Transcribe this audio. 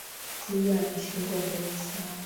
Twiga ana shingo ndefu sana